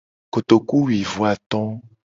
Kotoku wi vo ato.